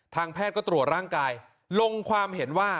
ทางแพทย์ก็ตรวจร่างกาย